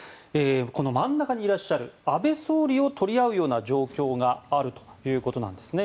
この真ん中にいらっしゃる安倍前総理を取り合うような状況があるということです。